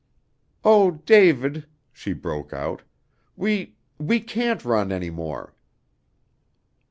"Oh, David!" she broke out, "we we can't run any more."